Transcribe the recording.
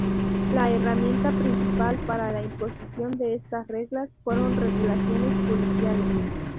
La herramienta principal para la imposición de estas reglas fueron regulaciones policiales.